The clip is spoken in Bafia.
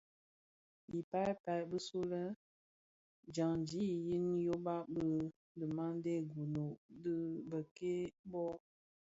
I pal pal bisulè dyandi yin yoba di dhimandè Gunu dhi bèk-kè bō.